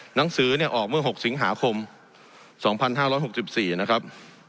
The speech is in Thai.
หนังสือเนี่ยออกเมื่อ๖สิงหาคม๒๕๖๔นะครับ